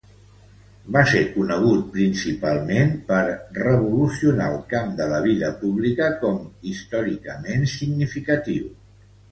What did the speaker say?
Va se conegut principalment per revolucionar el camp de la vida pública com històricament significatiu.